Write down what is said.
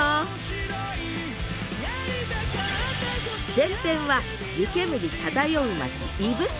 前編は湯煙漂う町指宿。